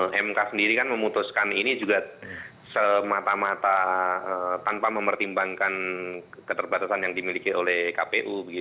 mk sendiri kan memutuskan ini juga semata mata tanpa mempertimbangkan keterbatasan yang dimiliki oleh kpu